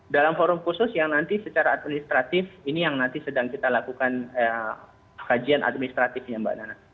dalam forum khusus yang nanti secara administratif ini yang nanti sedang kita lakukan kajian administratifnya mbak nana